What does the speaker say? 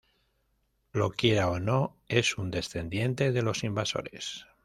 Lo quiera o no, es un descendiente de los invasores